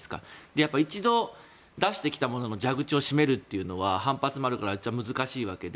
やっぱり一度出してきたものの蛇口を閉めるというのは反発もあるから難しいわけで。